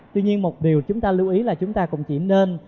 tuy nhiên một điều chúng ta lưu ý là chúng ta cũng chỉ nên